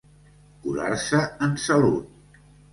Curar-se en salut.